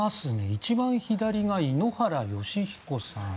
一番左が井ノ原快彦さん。